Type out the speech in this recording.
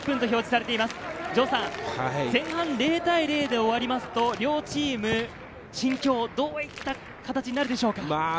前半０対０で終わりますと、両チームの心境、どういった形になるでしょうか。